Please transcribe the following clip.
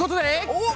おっ。